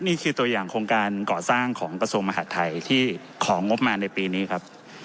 นี่คือตัวอย่างโครงการก่อสร้างของกระทรวงมหาดไทยที่ของงบมาในปีนี้ครับ